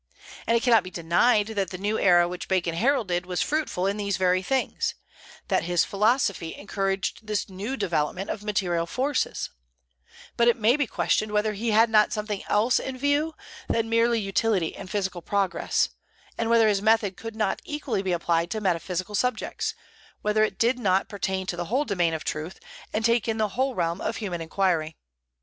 And it cannot be denied that the new era which Bacon heralded was fruitful in these very things, that his philosophy encouraged this new development of material forces; but it may be questioned whether he had not something else in view than mere utility and physical progress, and whether his method could not equally be applied to metaphysical subjects; whether it did not pertain to the whole domain of truth, and take in the whole realm of human inquiry.